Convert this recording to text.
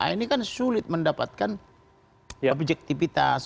ini kan sulit mendapatkan objektivitas